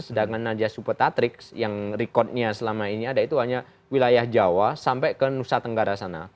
sedangkan najas supetatrix yang rekodnya selama ini ada itu hanya wilayah jawa sampai ke nusa tenggara sana